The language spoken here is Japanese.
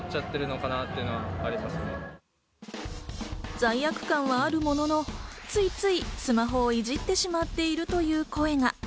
罪悪感はあるものの、ついついスマホをいじってしまっているという声が。